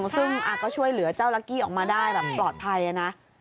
ซึ่งก็ช่วยเหลือเจ้าลักกี้ออกมาได้แบบปลอดภัยนะ